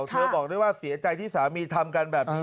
บอกด้วยว่าเสียใจที่สามีทำกันแบบนี้